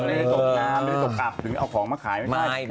ไม่ได้มาถัดที่ประทับหรือเอาของมาขายไม่ได้